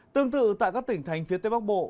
tương tự tại các tỉnh thành phía tây bắc bộ